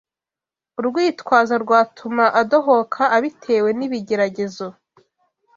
urwitwazo rwatuma adohoka abitewe n’ibigeragezo;